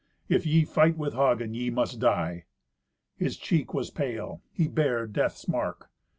If ye fight with Hagen ye must die." His cheek was pale; he bare death's mark.